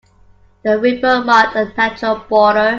The river marked a natural border.